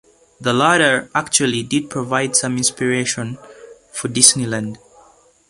The latter actually did provide some inspiration for Disneyland.